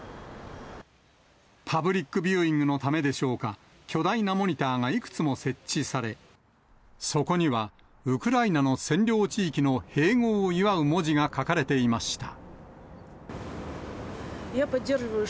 パブリックビューイングのためでしょうか、巨大なモニターがいくつも設置され、そこにはウクライナの占領地域の併合を祝う文字が書かれていました。